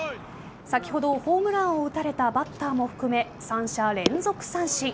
先ほどホームランを打たれたバッターも含め、３者連続三振。